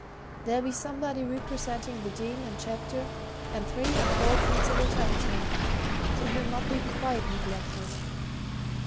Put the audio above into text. There'll be somebody representing the Dean and Chapter, and three or four principal townsmen, so he'll not be quite neglected.